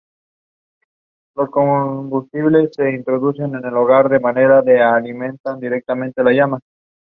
An excellent panegyrist and composer of elegies, he was praised by Anvari.